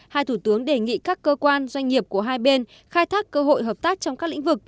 hai thủ tướng đề nghị các cơ quan doanh nghiệp của hai bên khai thác cơ hội hợp tác trong các lĩnh vực